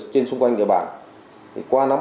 trinh sát của